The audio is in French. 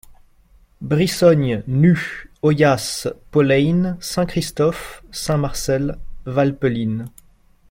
Brissogne, Nus, Oyace, Pollein, Saint-Christophe, Saint-Marcel, Valpelline.